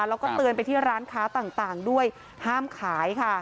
แล้วก็เตือนไปที่ร้านค้าต่างด้วยห้ามขายค่ะ